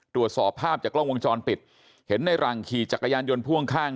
ตรวจสอบภาพจากกล้องวงจรปิดเห็นในหลังขี่จักรยานยนต์พ่วงข้าง